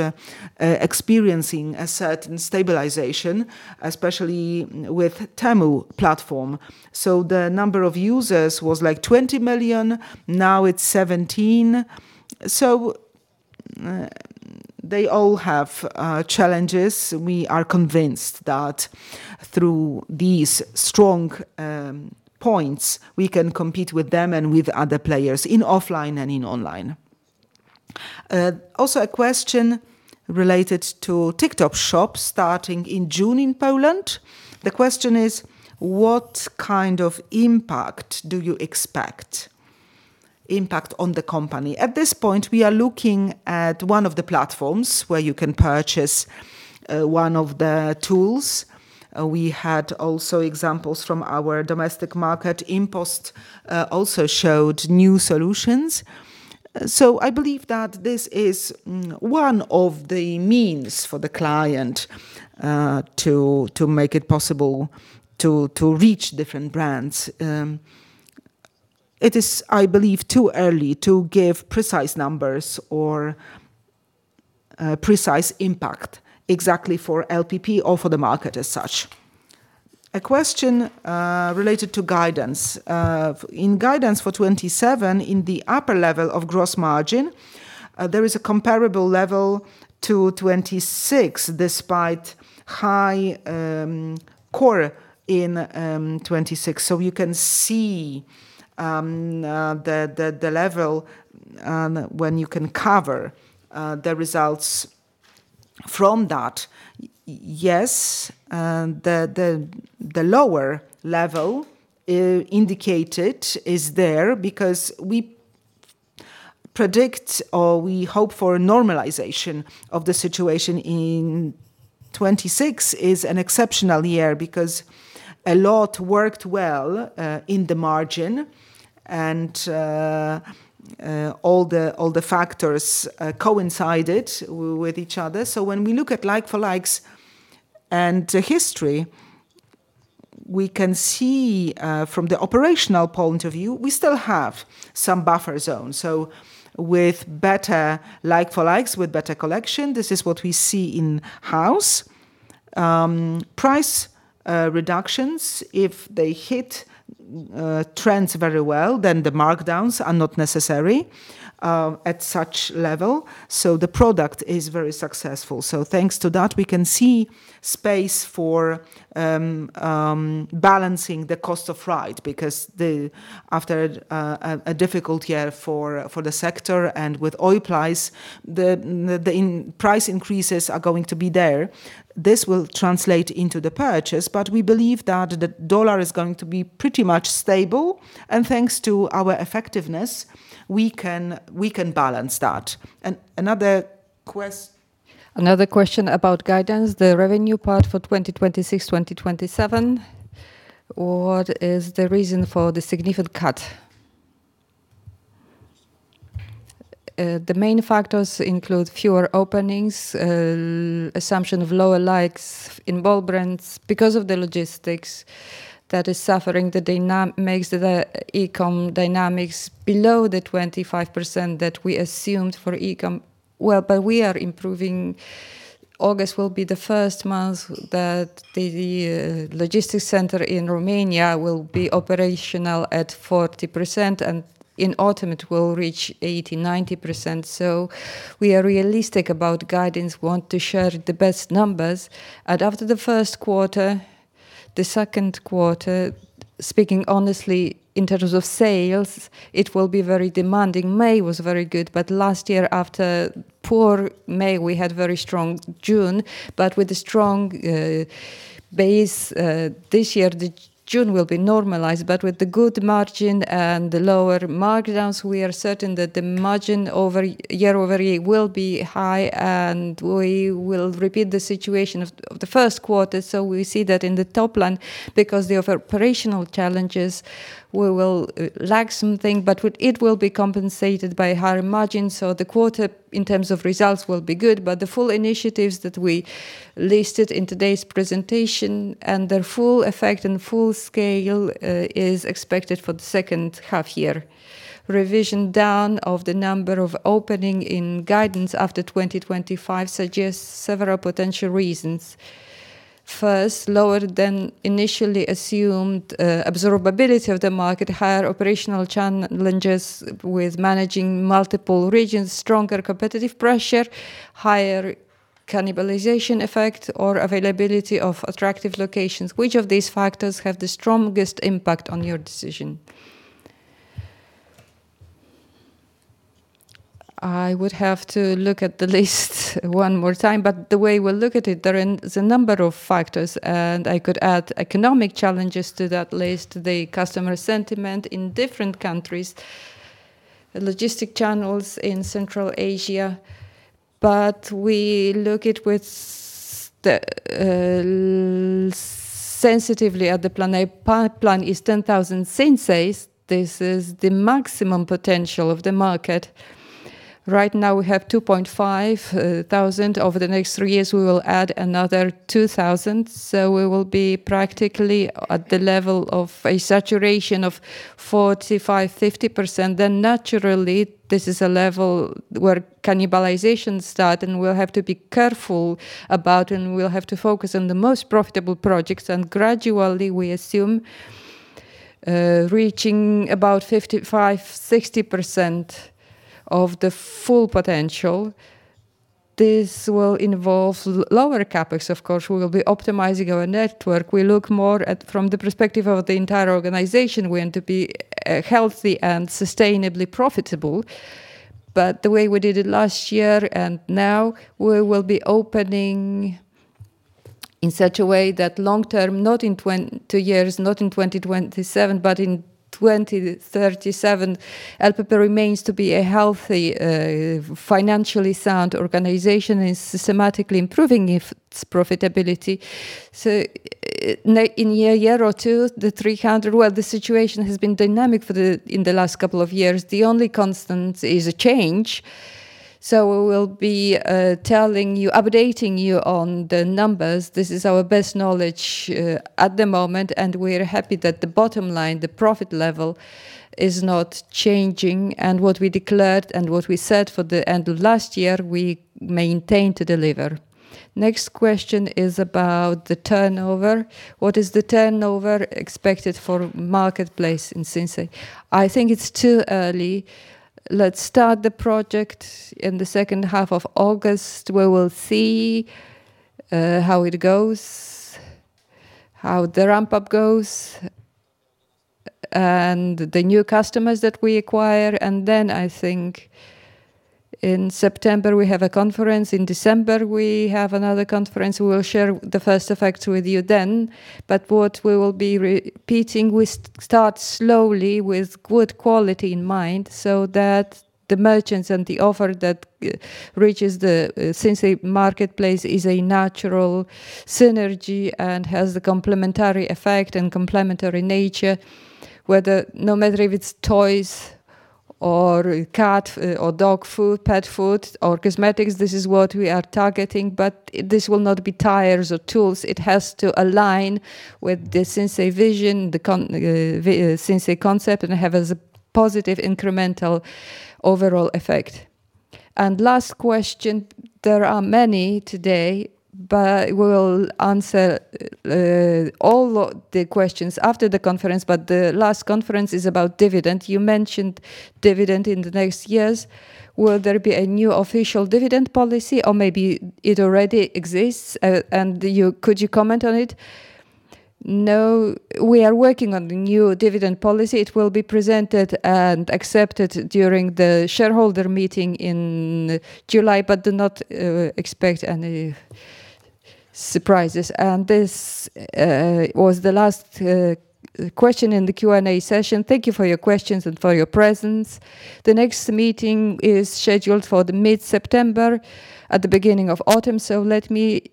experiencing a certain stabilization, especially with Temu platform. The number of users was like 20 million, now it is 17. They all have challenges. We are convinced that through these strong points, we can compete with them and with other players in offline and in online. A question related to TikTok shop starting in June in Poland. The question is, what kind of impact do you expect? Impact on the company. At this point, we are looking at one of the platforms where you can purchase one of the tools. We had also examples from our domestic market. InPost also showed new solutions. I believe that this is one of the means for the client, to make it possible to reach different brands. It is, I believe, too early to give precise numbers or precise impact exactly for LPP or for the market as such. A question related to guidance. In guidance for 2027, in the upper level of gross margin, there is a comparable level to 2026 despite high core in 2026. You can see the level when you can cover the results from that. Yes, the lower level indicated is there because we predict or we hope for a normalization of the situation in 2026 is an exceptional year because a lot worked well in the margin and all the factors coincided with each other. When we look at like for likes and history, we can see, from the operational point of view, we still have some buffer zone. With better like for likes, with better collection, this is what we see in House. Price reductions, if they hit trends very well, then the markdowns are not necessary at such level. The product is very successful. Thanks to that, we can see space for balancing the cost of ride because after a difficult year for the sector and with oil price, the price increases are going to be there. This will translate into the purchase, but we believe that the U.S. dollar is going to be pretty much stable, and thanks to our effectiveness, we can balance that. Another question about guidance, the revenue part for 2026, 2027. What is the reason for the significant cut? The main factors include fewer openings, assumption of lower likes in all brands because of the logistics that is suffering, that makes the e-com dynamics below the 25% that we assumed for e-com. We are improving. August will be the first month that the logistics center in Romania will be operational at 40%, and in autumn, it will reach 80%, 90%. We are realistic about guidance, want to share the best numbers. After the first quarter, the second quarter, speaking honestly, in terms of sales, it will be very demanding. May was very good, but last year after poor May, we had very strong June. With a strong base this year, June will be normalized. With the good margin and the lower markdowns, we are certain that the margin year-over-year will be high, and we will repeat the situation of the first quarter, we see that in the top line. Because of the operational challenges, we will lack something, but it will be compensated by higher margins. The quarter, in terms of results, will be good. The full initiatives that we listed in today's presentation and their full effect and full scale is expected for the second half-year. Revision down of the number of opening in guidance after 2025 suggests several potential reasons. First, lower than initially assumed absorbability of the market, higher operational challenges with managing multiple regions, stronger competitive pressure, higher cannibalization effect, or availability of attractive locations. Which of these factors have the strongest impact on your decision? I would have to look at the list one more time. The way we look at it, there is a number of factors, and I could add economic challenges to that list, the customer sentiment in different countries, logistic channels in Central Asia. We look it sensitively at the plan. Our plan is 10,000 Sinsays. This is the maximum potential of the market. Right now, we have 2,500. Over the next three years, we will add another 2,000. We will be practically at the level of a saturation of 45%, 50%. Naturally, this is a level where cannibalization start, and we'll have to be careful about, and we'll have to focus on the most profitable projects. Gradually, we assume, reaching about 55%, 60% of the full potential. This will involve lower CapEx, of course. We will be optimizing our network. We look more at from the perspective of the entire organization. We want to be healthy and sustainably profitable. The way we did it last year and now, we will be opening in such a way that long-term, not in two years, not in 2027, but in 2037, LPP remains to be a healthy, financially sound organization and systematically improving its profitability. In a year or two, the 300. Well, the situation has been dynamic in the last couple of years. The only constant is change. We will be updating you on the numbers. This is our best knowledge at the moment, and we're happy that the bottom line, the profit level, is not changing. What we declared and what we said for the end of last year, we maintain to deliver. Next question is about the turnover. What is the turnover expected for marketplace in Sinsay? I think it's too early. Let's start the project in the second half of August. We will see how it goes, how the ramp-up goes, and the new customers that we acquire. Then I think in September, we have a conference. In December, we have another conference. We will share the first effects with you then. What we will be repeating, we start slowly with good quality in mind so that the merchants and the offer that reaches the Sinsay marketplace is a natural synergy and has the complementary effect and complementary nature. No matter if it's toys or cat or dog food, pet food, or cosmetics, this is what we are targeting. This will not be tires or tools. It has to align with the Sinsay vision, the Sinsay concept, and have a positive incremental overall effect. Last question. There are many today. We'll answer all the questions after the conference. The last question is about dividend. You mentioned dividend in the next years. Will there be a new official dividend policy, or maybe it already exists, and could you comment on it? No. We are working on the new dividend policy. It will be presented and accepted during the shareholder meeting in July, but do not expect any surprises. This was the last question in the Q&A session. Thank you for your questions and for your presence. The next meeting is scheduled for the mid-September at the beginning of autumn. Let me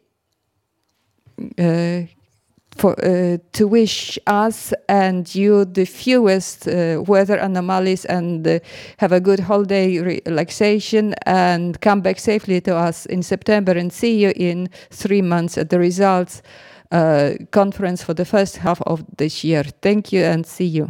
to wish us and you the fewest weather anomalies and have a good holiday relaxation and come back safely to us in September and see you in three months at the results conference for the first half of this year. Thank you and see you